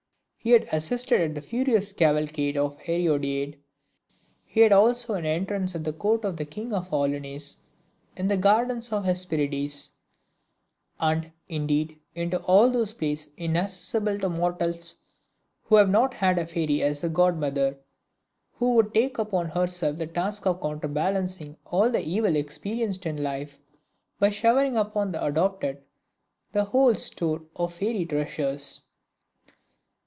He had assisted at the furious cavalcade of "Herodiade;" he had also an entrance at the court of the king of "Aulnes" in the gardens of the "Hesperides"; and indeed into all those places inaccessible to mortals who have not had a fairy as godmother, who would take upon herself the task of counterbalancing all the evil experienced in life, by showering upon the adopted the whole store of fairy treasures.